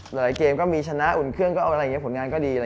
หลายเกมก็มีชนะอุ่นเครื่องผลงานก็ดี